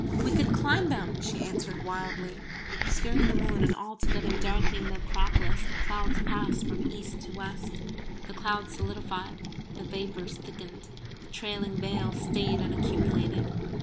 "We could climb them!" she answered wildly. Obscuring the moon and altogether darkening the Acropolis the clouds passed from east to west. The clouds solidified; the vapours thickened; the trailing veils stayed and accumulated.